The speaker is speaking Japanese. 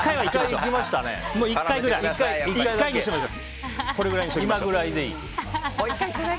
１回にしましょう。